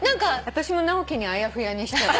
私も直樹にあやふやにしちゃった。